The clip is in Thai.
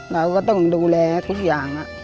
เราก็ต้องดูแลทุกอย่าง